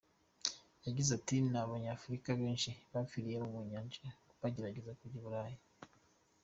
Yagize ati "Abanyafurika benshi bapfiriye mu nyanja bagerageza kujya I Burayi.